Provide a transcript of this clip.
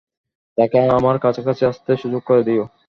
তাকে আমার কাছাকাছি আসতে সুযোগ করে দিও।